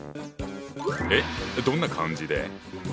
えっどんな漢字で？